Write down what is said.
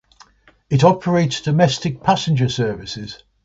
It operates domestic passenger services.